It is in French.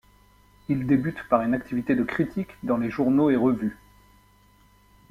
Il débute par une activité de critique dans les journaux et revues.